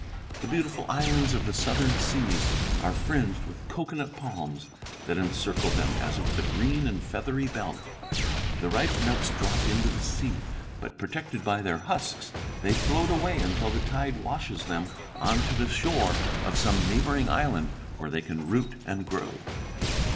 The beautiful islands of the southern seas are fringed with cocoanut palms that encircle them as with a green and feathery belt. The ripe nuts drop into the sea, but, protected by their husks, they float away until the tide washes them on to the shore of some neighboring island, where they can take root and grow.'"